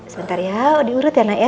sebentar ya diurut ya nak ya